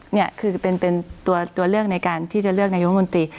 นี่คือเป็นตัวเลือกในการที่จะเลือกนายกรมนตรี